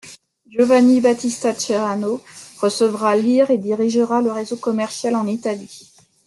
Giovanni Battista Ceirano recevra £ires et dirigera le réseau commercial en Italie.